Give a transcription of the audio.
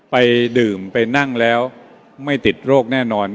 ไปดื่มไปนั่งแล้วไม่ติดโรคแน่นอน